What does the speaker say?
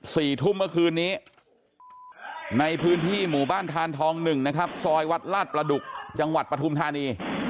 ขึ้น๔ทุ่มเมื่อคืนนี้ในพื้นที่หมู่บ้านทานทอง๑นะครับซอยวัดลาดประดุกจังหวัดประธุมธรรมดิ